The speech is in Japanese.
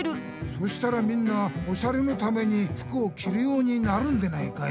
そしたらみんなオシャレのために服をきるようになるんでないかい？